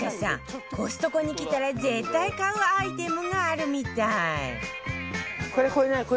コストコに来たら絶対買うアイテムがあるみたい